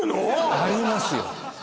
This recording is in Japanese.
ありますよ